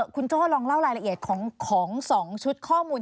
คุณโจ้ลองเล่ารายละเอียดของ๒ชุดข้อมูล